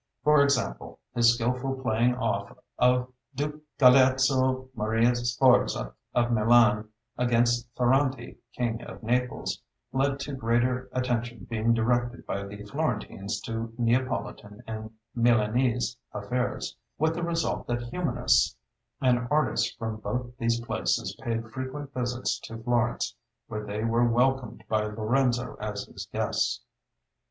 For example, his skilful playing off of Duke Galeazzo Maria Sforza of Milan against Ferrante, King of Naples, led to greater attention being directed by the Florentines to Neapolitan and Milanese affairs, with the result that humanists and artists from both these places paid frequent visits to Florence, where they were welcomed by Lorenzo as his guests.